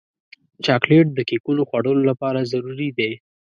چاکلېټ د کیکونو جوړولو لپاره ضروري دی.